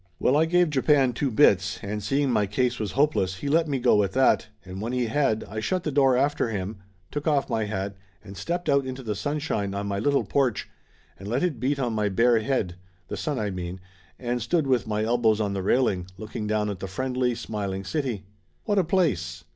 Well, I gave Japan two bits, and seeing my case was hopeless he let me go at that, and when he had, I shut the door after him, took off my hat and stepped out into the sunshine on my little porch and let it beat on my bare head the sun I mean and stood with my elbows on the railing, looking down at the friendly, smiling city. What a place